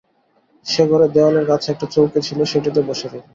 সে ঘরে দেওয়ালের কাছে একটা চৌকি ছিল সেইটেতে বসে রইল।